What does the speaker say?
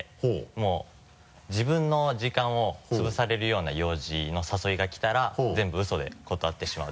もう自分の時間をつぶされるような用事の誘いがきたら全部ウソで断ってしまう。